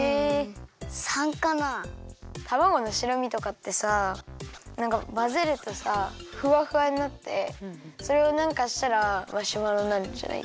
たまごの白身とかってさなんかまぜるとさフワフワになってそれをなんかしたらマシュマロになるんじゃない？